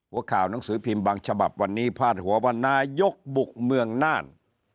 หัวข่าวหนังสือพิมพ์บางฉบับวันนี้พาดหัวว่านายกบุกเมืองน่าน